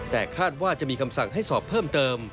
แต่คาดว่าจะมีคำสั่งให้สอบเพิ่มเติม